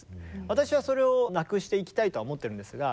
私はそれをなくしていきたいとは思ってるんですが。